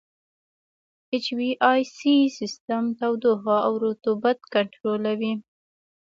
اچ وي اې سي سیسټم تودوخه او رطوبت کنټرولوي.